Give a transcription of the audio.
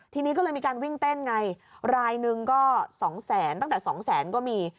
ทีนี้ก็เลยมีการวิ่งเต้นไงรายหนึ่งก็สองแสนตั้งแต่สองแสนก็มี